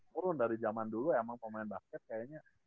turun dari zaman dulu emang pemain basket kayaknya